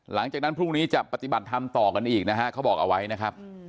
หลังจากนั้นพรุ่งนี้จะปฏิบัติธรรมต่อกันอีกนะฮะเขาบอกเอาไว้นะครับ